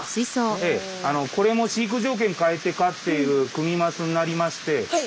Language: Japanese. ええこれも飼育条件変えて飼っているクニマスになりまして。